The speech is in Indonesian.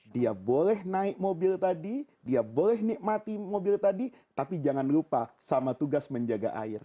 dia boleh naik mobil tadi dia boleh nikmati mobil tadi tapi jangan lupa sama tugas menjaga air